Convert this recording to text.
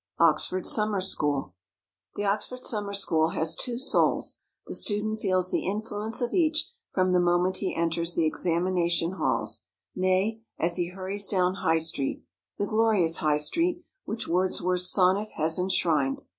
OXFORD SUMMER SCHOOL. The Oxford Summer School has two souls. The student feels the influence of each from the moment he enters the examination halls nay, as he hurries down High Street, "the glorious High Street," which Wordsworth's sonnet has enshrined.